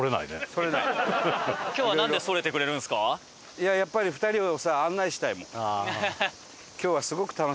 いややっぱり２人をさ案内したいもん。